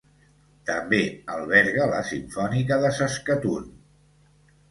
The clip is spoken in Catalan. També alberga la Simfònica de Saskatoon.